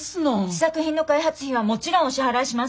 試作品の開発費はもちろんお支払いします。